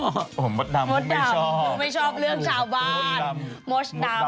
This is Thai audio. มดดำคุณไม่ชอบมดดำคุณไม่ชอบเรื่องชาวบ้านมดดำคุณไม่ชอบชาวบ้าน